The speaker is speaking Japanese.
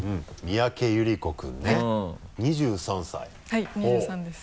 はい２３です。